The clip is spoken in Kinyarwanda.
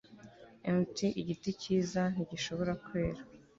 Mt Igiti cyiza ntigishobora kwera